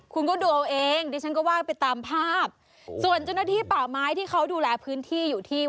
คุณก็ดูเอาเองดิฉันก็ว่าไปตามภาพส่วนเจ้าหน้าที่ป่าไม้ที่เขาดูแลพื้นที่อยู่ที่